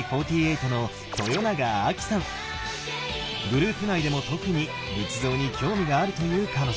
グループ内でも特に仏像に興味があるという彼女。